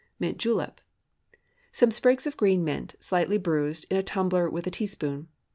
MINT JULEP. ✠ Some sprigs of green mint, slightly bruised in a tumbler with a teaspoon.